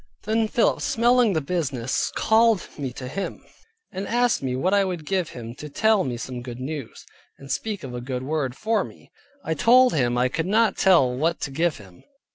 Then Philip smelling the business called me to him, and asked me what I would give him, to tell me some good news, and speak a good word for me. I told him I could not tell what to give him.